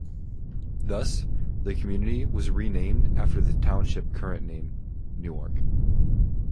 Thus the community was renamed after the township current name, Newark.